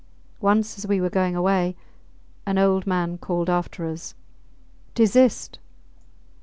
Once, as we were going away, an old man called after us, Desist!